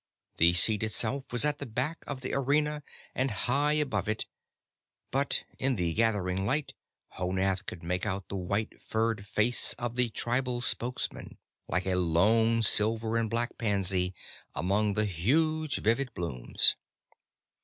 The Seat itself was at the back of the arena and high above it, but in the gathering light Honath could make out the white furred face of the Tribal Spokesman, like a lone silver and black pansy among the huge vivid blooms.